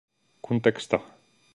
kunteksto